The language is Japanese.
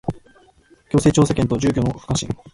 行政調査権と住居の不可侵